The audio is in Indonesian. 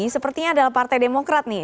sepertinya adalah partai demokrat nih